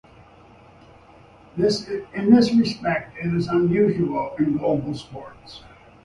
In this respect it is unusual in global sports.